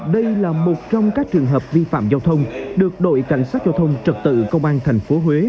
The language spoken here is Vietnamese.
đây là một trong các trường hợp vi phạm giao thông được đội cảnh sát giao thông trật tự công an tp huế